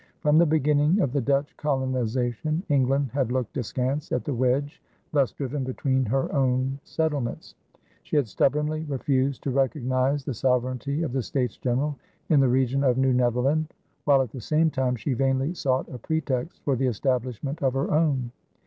From the beginning of the Dutch colonization, England had looked askance at the wedge thus driven between her own settlements. She had stubbornly refused to recognize the sovereignty of the States General in the region of New Netherland while at the same time she vainly sought a pretext for the establishment of her own.